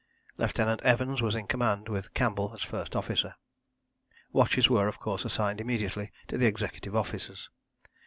Lieutenant Evans was in command, with Campbell as first officer. Watches were of course assigned immediately to the executive officers.